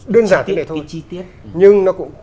đơn giản thế này thôi nhưng nó cũng